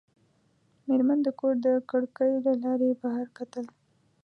مېرمن د کور د کړکۍ له لارې بهر کتل.